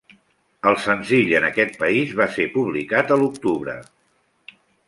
El senzill en aquest país va ser publicat a l'octubre.